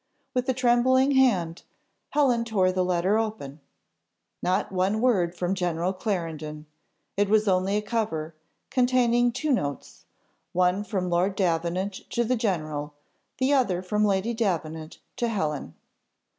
With a trembling hand, Helen tore the letter open: not one word from General Clarendon! It was only a cover, containing two notes; one from Lord Davenant to the general, the other from Lady Davenant to Helen.